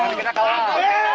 mari kita kalah